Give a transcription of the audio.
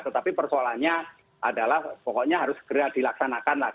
tetapi persoalannya adalah pokoknya harus segera dilaksanakan lah